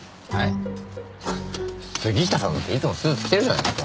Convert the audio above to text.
杉下さんだっていつもスーツ着てるじゃないですか。